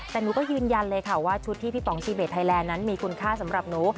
แต่หนูก็ยืนยันเลยค่ะว่าชุดที่พี่ป๋องซีเบสไทยแลนด์นั้นมีคุณค่าสำหรับหนู